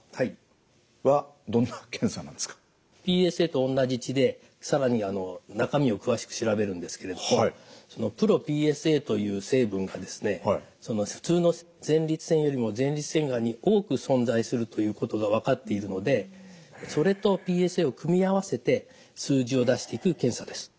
ＰＳＡと同じ血で更に中身を詳しく調べるんですけれどもｐｒｏＰＳＡという成分がですね普通の前立腺よりも前立腺がんに多く存在するということが分かっているのでそれとＰＳＡを組み合わせて数字を出していく検査です。